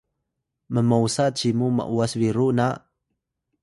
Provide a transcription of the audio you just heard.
mmosa cimu m’was-biru na?